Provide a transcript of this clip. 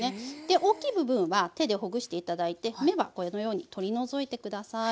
大きい部分は手でほぐして頂いて芽はこのように取り除いて下さい。